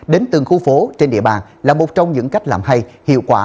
đến từng khu phố trên địa bàn là một trong những cách làm hay hiệu quả